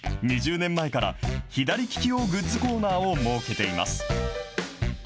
２０年前から、左利き用グッズコーナーを設けています。